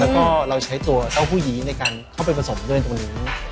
แล้วก็เราใช้ตัวเต้าหู้ยีในการเข้าไปผสมด้วยตัวนี้